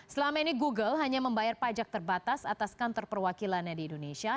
selama ini google hanya membayar pajak terbatas atas kantor perwakilannya di indonesia